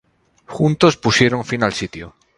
Juntos pusieron fin al sitio.